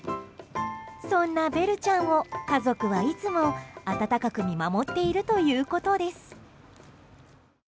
そんなベルちゃんを家族はいつも温かく見守っているということです。